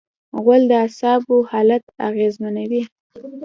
غول د اعصابو حالت اغېزمنوي.